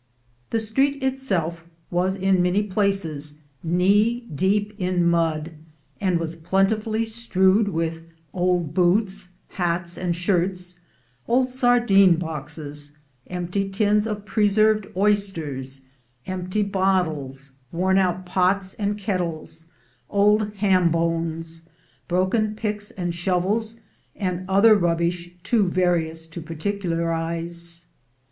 (The street itself was in many places knee deep in mud, and was plentifully strewed with old boots, hats, and shirts, old sardine boxes, empty tins of pre served oysters, empty bottles, worn out pots and ket tles, old ham bones, broken picks and shovels, and other rubbish too various to particularize.